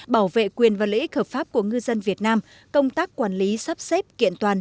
bảo vệ quyền và lợi ích hợp pháp của ngư dân việt nam công tác quản lý sắp xếp kiện toàn